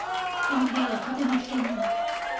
この部屋はとても危険なの。